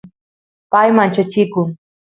pay manchachikun